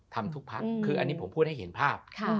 ทำทุกพักคืออันนี้ผมพูดให้เห็นภาพ